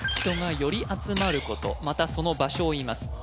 人が寄り集まることまたその場所を言います